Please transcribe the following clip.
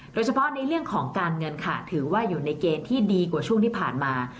โดยเฉพาะในเรื่องของการเงินค่ะถือว่าอยู่ในเกณฑ์ที่ดีกว่าช่วงที่ผ่านมา